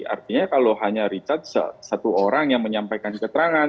artinya kalau hanya richard satu orang yang menyampaikan keterangan